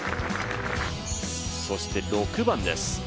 そして６番です。